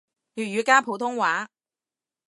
粵語加普通話